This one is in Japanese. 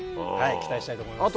期待したいと思います。